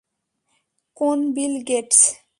কোন Bill Gates?